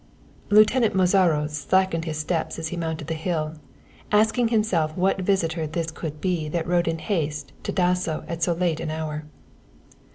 Lieutenant Mozaro slackened his steps as he mounted the hill, asking himself what visitor this could be that rode in haste to Dasso at so late an hour.